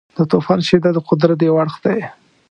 د طوفان شدت د قدرت یو اړخ دی.